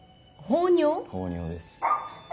放尿です。